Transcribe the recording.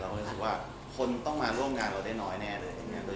เราก็ลืมคิดว่าคนต้องมาร่วมงานเรานิ้ยหน้าแน่เลยลูกทำงานเราที่ไม่ได้